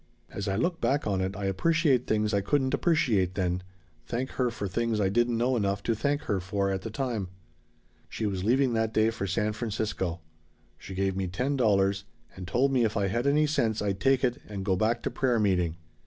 As I look back on it I appreciate things I couldn't appreciate then, thank her for things I didn't know enough to thank her for at the time. "She was leaving that day for San Francisco. She gave me ten dollars, and told me if I had any sense I'd take it and go back to prayer meeting.